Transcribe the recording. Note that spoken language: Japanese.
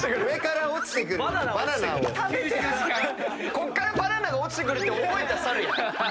ここからバナナが落ちてくるって覚えたサルやん。